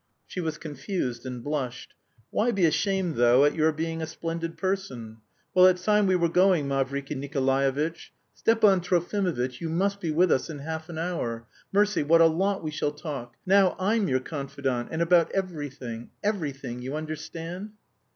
She was confused and blushed. "Why be ashamed though at your being a splendid person? Well, it's time we were going, Mavriky Nikolaevitch! Stepan Trofimovitch, you must be with us in half an hour. Mercy, what a lot we shall talk! Now I'm your confidante, and about everything, everything, you understand?"